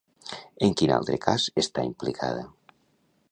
En quin altre cas està implicada?